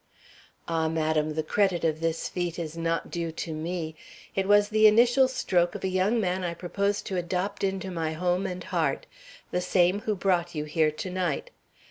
"Ah, madam, the credit of this feat is not due to me. It was the initial stroke of a young man I propose to adopt into my home and heart; the same who brought you here to night.